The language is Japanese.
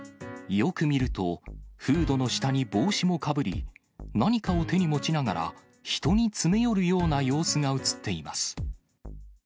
よく見ると、フードの下に帽子もかぶり、何かを手に持ちながら、人に詰め寄るような様子が写っています。